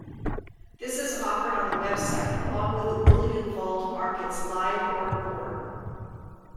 This is offered on the website along with the BullionVault markets' live order board.